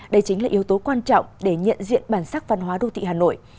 đây chính là yếu tố quan trọng để nhận diện bản sắc văn hóa đô thị hà nội